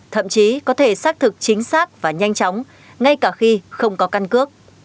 thậm chí có thể xác thực chính xác và nhanh chóng ngay cả khi không có căn cước